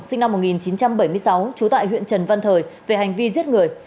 sinh năm một nghìn chín trăm bảy mươi sáu trú tại huyện trần văn thời về hành vi giết người